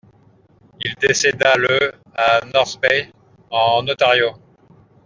Il décéda le à North Bay en Ontario.